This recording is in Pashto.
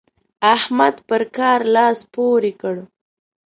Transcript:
احمد پر کار لاس پورې کړ.